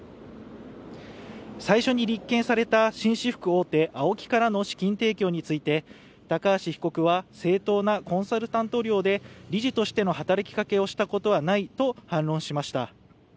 最初に立件された紳士服大手・ＡＯＫＩからの資金提供について高橋被告は、正当なコンサルタント料で理事としての働きかけをしたことはないと反論しました。